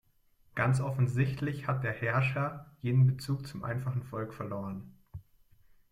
Ganz offensichtlich hat der Herrscher jeden Bezug zum einfachen Volk verloren.